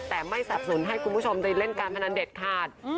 แต่ไม่สับสนุนให้คุณผู้ชมได้เล่นการพนันเด็ดขาด